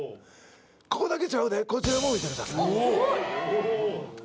ここだけちゃうでこちらも見てくださいあっすごい！